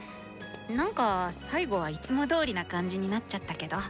何か最後はいつもどおりな感じになっちゃったけど。